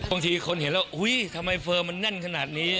บางทีคนเห็นแล้วอุ้ยทำไมเฟิร์มมันแน่นขนาดนี้